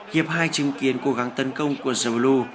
hiệp hai chứng kiến cố gắng tấn công của zelu